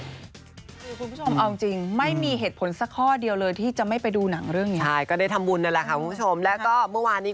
คุณผู้ชมเอาจริงไม่มีเหตุผลสักข้อเดียวเลยที่จะไม่ไปดูหนังเรื่องนี้